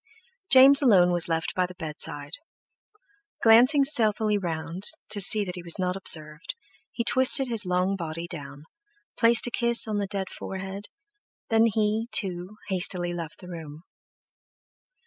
James alone was left by the bedside; glancing stealthily round, to see that he was not observed, he twisted his long body down, placed a kiss on the dead forehead, then he, too, hastily left the room.